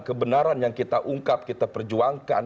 kebenaran yang kita ungkap kita perjuangkan